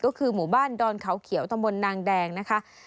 ก็คือหมู่บ้านดอนเขาเขียวตำบลนางแดงนะคะ